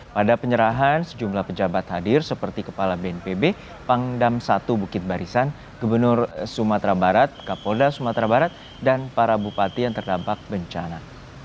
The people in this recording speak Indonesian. pada penyerahan sejumlah pejabat hadir seperti kepala bnpb pangdam satu bukit barisan gubernur sumatera barat kapolda sumatera barat dan para bupati yang terdampak bencana